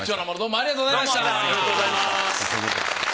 ありがとうございます。